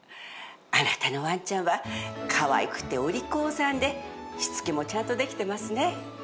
あなたのワンちゃんはかわいくてお利口さんでしつけもちゃんとできてますね。